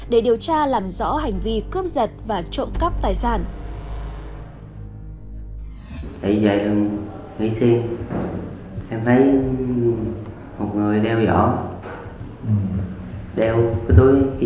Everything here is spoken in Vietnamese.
để điều tra làm rõ hành vi cướp giật